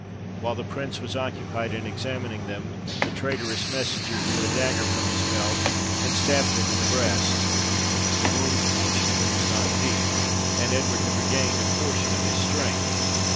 While the prince was occupied in examining them, the traitorous messenger drew a dagger from his belt and stabbed him in the breast. The wound fortunately was not deep, and Edward had regained a portion of his strength.